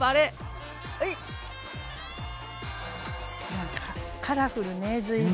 なんかカラフルね随分。